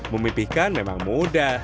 memipihkan memang mudah